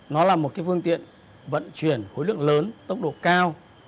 nó là một phương tiện vận chuyển khối lượng lớn tốc độ cao